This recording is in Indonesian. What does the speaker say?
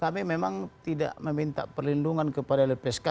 kami memang tidak meminta perlindungan kepada lpsk